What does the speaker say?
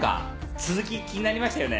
続き気になりましたよね？